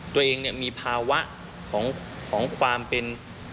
ตัวเองมีภาวะของความเป็น